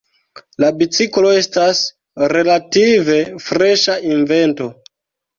La biciklo estas relative freŝa invento.